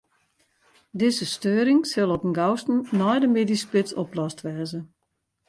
Dizze steuring sil op 'en gausten nei de middeisspits oplost wêze.